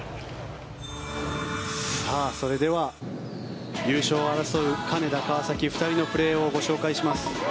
それでは優勝を争う金田、川崎２人のプレーをご紹介します。